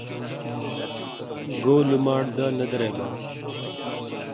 گو لماٹ دا نہ دریباں۔